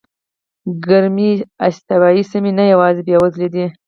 ګرمې استوایي سیمې نه یوازې بېوزله دي.